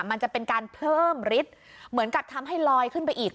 มันจะเป็นการเพิ่มฤทธิ์เหมือนกับทำให้ลอยขึ้นไปอีก